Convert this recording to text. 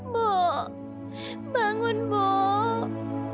mbok bangun mbok